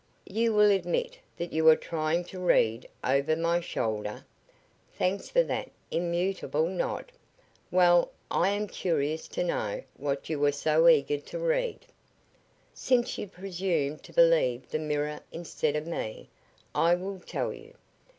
You will admit that you were trying to read over my shoulder. Thanks for that immutable nod. Well, I am curious to know what you were so eager to read." "Since you presume to believe the mirror instead of me, I will tell you.